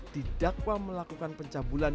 didakwa melakukan pencabulan